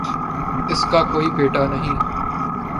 اس کا کوئی بیٹا نہیں